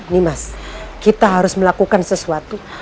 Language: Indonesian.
nimas kita harus melakukan sesuatu